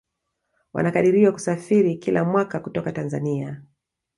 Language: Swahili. Wanakadiriwa kusafiri kila mwaka kutoka Tanzania